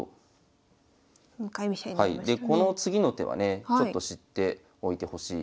でこの次の手はね知っておいてほしい。